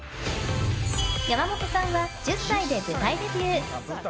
山本さんは１０歳で舞台デビュー。